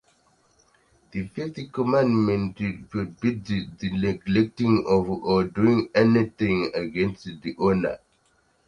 The fifth commandment forbids the neglecting of, or doing anything against, the honor